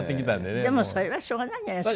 でもそれはしょうがないじゃないですか？